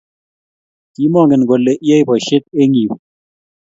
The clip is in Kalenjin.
kimangen kole iyae boishet eng yuu